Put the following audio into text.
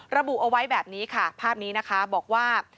ระบุเอาไว้แบบนี้ค่ะภาพนี้นะคะบอกว่า